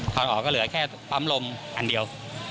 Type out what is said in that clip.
วันออกก็เหลือแค่ปั๊มลมอันเดียว